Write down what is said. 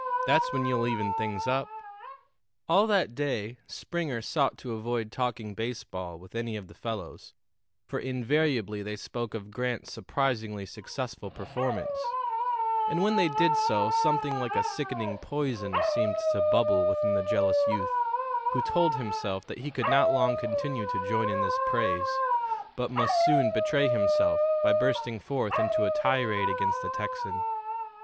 That's when you'll even things up." All that day Springer sought to avoid talking baseball with any of the fellows, for invariably they spoke of Grant's surprisingly successful performance; and when they did so something like a sickening poison seemed to bubble within the jealous youth, who told himself that he could not long continue to join in this praise, but must soon betray himself by bursting forth into a tirade against the Texan.